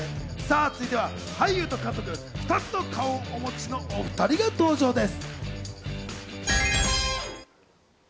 続いては俳優と監督、２つの顔を持つお２人が登場です。